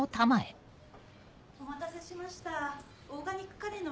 お待たせしましたオーガニックカレーのお客さま。